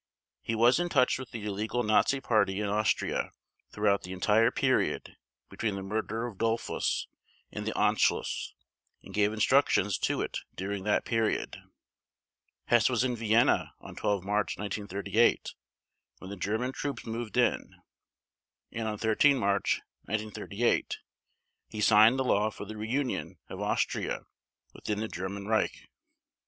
He was in touch with the illegal Nazi Party in Austria throughout the entire period between the murder of Dollfuss, and the Anschluss, and gave instructions to it during that period. Hess was in Vienna on 12 March 1938 when the German troops moved in; and on 13 March 1938 he signed the law for the reunion of Austria within the German Reich.